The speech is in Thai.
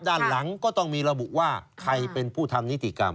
ด้านหลังก็ต้องมีระบุว่าใครเป็นผู้ทำนิติกรรม